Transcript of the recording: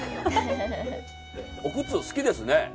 お靴、好きですね。